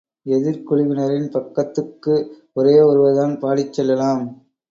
எதிர்க்குழுவினரின் பக்கத்துக்கு ஒரே ஒருவர்தான் பாடிச் செல்லலாம்.